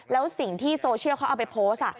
แล้วสิ่งที่โซเชียลเขาเอาไปโพสต์